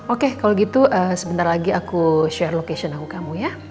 oke kalau gitu sebentar lagi aku share location aku kamu ya